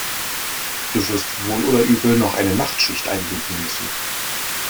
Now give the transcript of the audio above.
Du wirst wohl oder übel noch eine Nachtschicht einlegen müssen.